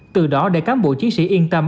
từ đó để cám bộ chiến sĩ yên tâm